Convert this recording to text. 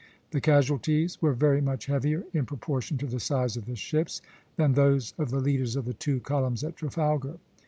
The casualties were very much heavier, in proportion to the size of the ships, than those of the leaders of the two columns at Trafalgar.